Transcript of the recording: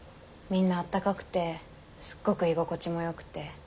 みんなあったかくてすっごく居心地もよくて。